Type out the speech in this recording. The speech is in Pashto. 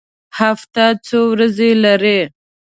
هفته څو ورځې لري؟